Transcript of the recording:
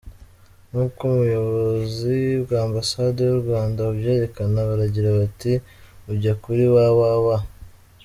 Nk’uko ubuyobozi bw’Ambasade y’u Rwanda bubyerekana baragira bati: ujya kuri www.